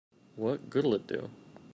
What good'll it do?